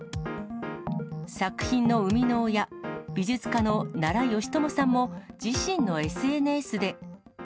作品の生みの親、美術家の奈良美智さんも、自身のＳＮＳで。